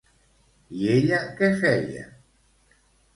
I ella què feia?